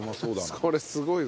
これすごいぞ。